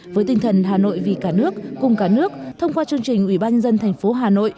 với tinh thần hà nội vì cả nước cùng cả nước thông qua chương trình ủy ban nhân dân thành phố hà nội